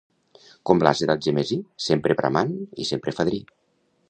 Com l'ase d'Algemesí, sempre bramant i sempre fadrí.